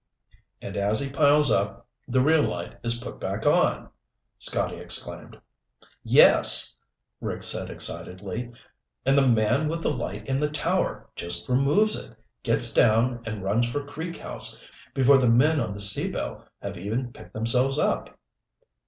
"And as he piles up, the real light is put back on!" Scotty exclaimed. "Yes," Rick said excitedly. "And the man with the light in the tower just removes it, gets down, and runs for Creek House before the men on the Sea Belle have even picked themselves up!"